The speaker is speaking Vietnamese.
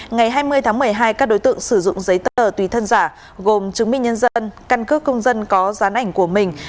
ngày hai mươi tháng một mươi hai các đối tượng sử dụng giấy tờ tùy thân giả gồm chứng minh nhân dân căn cước công dân có gián ảnh của mình